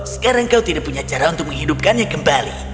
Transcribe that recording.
sekarang kau tidak punya cara untuk menghidupkannya kembali